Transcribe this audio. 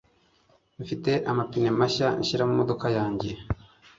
Mfite amapine mashya nshyira mumodoka yanjye